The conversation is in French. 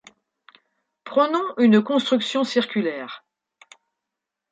Prenons une construction circulaire.